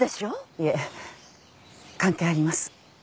いえ関係あります。